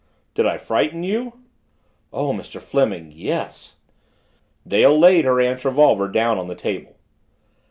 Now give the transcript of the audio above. "Did I frighten you?" "Oh, Mr. Fleming yes!" Dale laid her aunt's revolver down on the table.